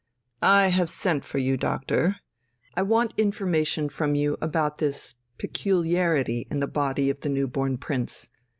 "I have sent for you, doctor.... I want information from you about this peculiarity in the body of the new born prince....